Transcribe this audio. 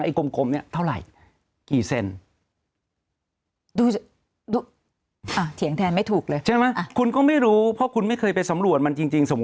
ไม่ถูกเลยใช่ไหมคุณก็ไม่รู้เพราะคุณไม่เคยไปสำรวจมันจริง